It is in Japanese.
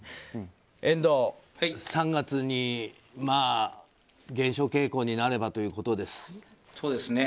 遠藤、３月に減少傾向になればということです。